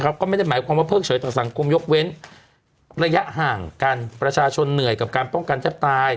ก็ไม่ได้หมายความว่าเพิ่งเฉยต่อสังคมยกเว้นระยะห่างกันประชาชนเหนื่อยกับการป้องกันแทบตาย